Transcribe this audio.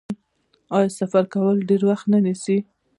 آیا سفر کول ډیر وخت نه نیسي؟